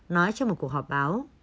nói trong một cuộc họp báo